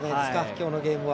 今日のゲームは。